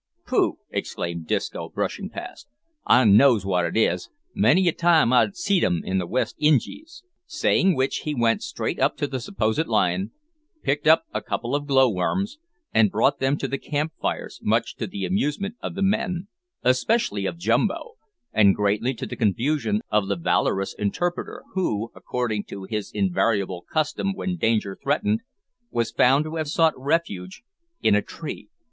"Pooh!" exclaimed Disco, brushing past; "I knows wot it is. Many a time I've seed 'em in the West Injies." Saying which, he went straight up to the supposed lion, picked up a couple of glow worms, and brought them to the camp fires, much to the amusement of the men, especially of Jumbo, and greatly to the confusion of the valorous interpreter, who, according to his invariable custom when danger threatened, was found to have sought refuge in a tree.